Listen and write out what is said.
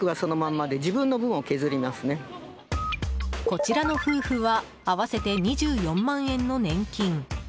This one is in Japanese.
こちらの夫婦は合わせて２４万円の年金。